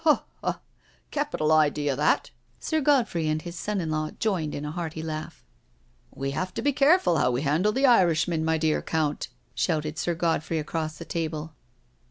"Ha, ha I Capital idea, that I" Sir Godfrey and his son in law joined in a hearty laugh. " We have to be careful how we handle the Irishmen, my dear Count,'* shouted Sir Godfrey actoss the table.